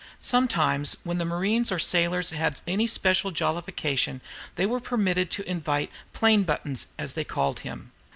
Sometimes, when the marines or sailors had any special jollification, they were permitted to invite "Plain Buttons," as they called him.